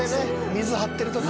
水張ってるとき。